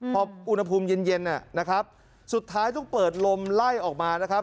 พออุณหภูมิเย็นนะครับสุดท้ายต้องเปิดลมไล่ออกมานะครับ